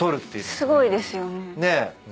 すごいですよね。